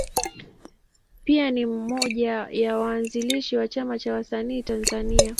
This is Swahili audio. Pia ni mmoja ya waanzilishi wa Chama cha Wasanii Tanzania.